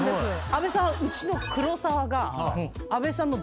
阿部さんはうちの黒沢が。